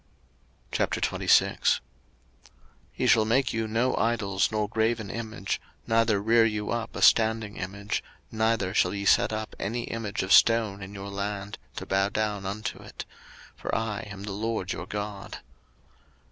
03:026:001 Ye shall make you no idols nor graven image, neither rear you up a standing image, neither shall ye set up any image of stone in your land, to bow down unto it: for I am the LORD your God.